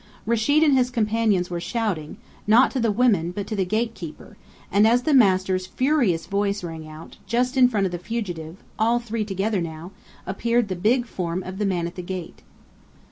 Rechid and his companions were shouting, not to the women, but to the gatekeeper; and as the master's furious voice rang out, just in front of the fugitive (all three together now), appeared the big form of the man at the gate.